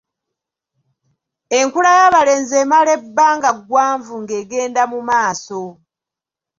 Enkula y'abalenzi emala ebbanga ggwanvu ng'egenda mu maaso.